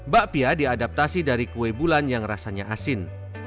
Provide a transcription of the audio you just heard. bakpia diadaptasi dari kue bulan yang rasanya asin